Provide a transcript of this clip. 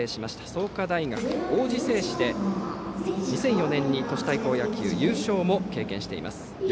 創価大学、王子製紙で２００４年に都市対抗野球優勝も経験しています。